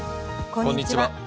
こんにちは。